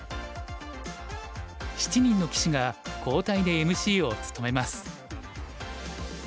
７人の棋士が交代でＭＣを務めます。